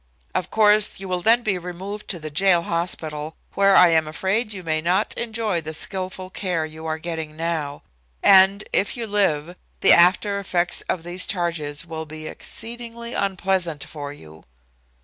"Of course, you will then be removed to the jail hospital, where I am afraid you may not enjoy the skilful care you are getting now. And, if you live, the after effects of these charges will be exceedingly unpleasant for you."